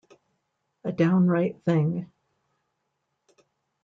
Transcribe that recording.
A downright thing.